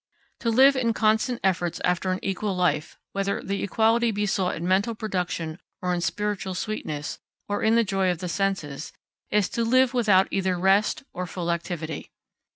To live in constant efforts after an equal life, whether the equality be sought in mental production, or in spiritual sweetness, or in the joy of the senses, is to live without either rest or full activity.